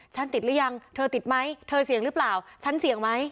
ติดหรือยังเธอติดไหมเธอเสี่ยงหรือเปล่าฉันเสี่ยงไหม